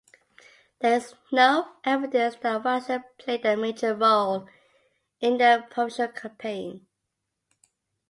There is no evidence that Wasson played a major role in the provincial campaign.